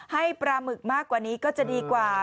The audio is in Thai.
ให้ปลาหมึกมากกว่านี้ก็จะดีกว่า